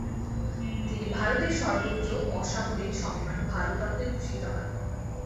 তিনি ভারতের সর্বোচ্চ অসামরিক সম্মান ভারতরত্নে ভূষিত হন।